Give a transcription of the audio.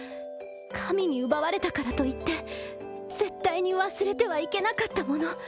神に奪われたからといって絶対に忘れてはいけなかったもの。